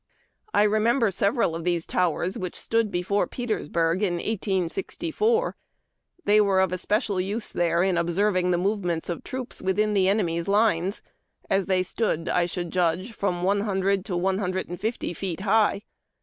I remember several of these towers which stood before Peters burg in 1864. They were of especial use there in observing the movements of troops within the enemy's lines, as they stood, I should judge, from one hundred to one hundred and fifty feet high.